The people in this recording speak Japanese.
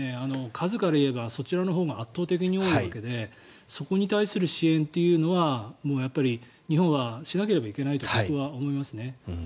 数からいえばそちらのほうが多いわけでそこに対する支援というのはやっぱり日本はしなければいけないと僕は思いますね。